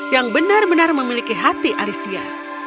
yang benar benar memiliki hati alicia